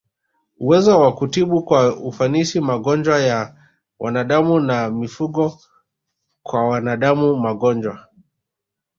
uwezo wa kutibu kwa ufanisi magonjwa ya wanadamu na mifugo Kwa wanadamu magonjwa